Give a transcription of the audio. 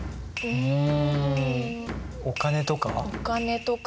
うん。